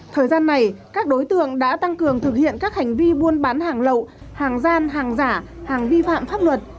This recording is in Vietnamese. thời gian này các đối tượng đã tăng cường thực hiện các hành vi buôn bán hàng lậu hàng gian hàng giả hàng vi phạm pháp luật